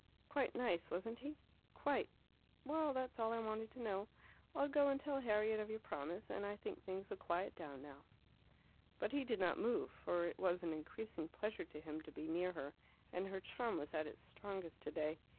"Quite nice, wasn't he?" "Quite." "Well, that's all I wanted to know. I'll go and tell Harriet of your promise, and I think things'll quiet down now." But he did not move, for it was an increasing pleasure to him to be near her, and her charm was at its strongest today.